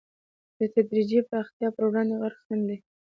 د تدریجي پراختیا پر وړاندې غټ خنډ دی.